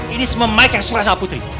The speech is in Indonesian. ini semua mike yang suka sama putri